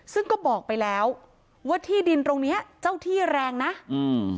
ซึ่งก็บอกไปแล้วว่าที่ดินตรงเนี้ยเจ้าที่แรงนะอืม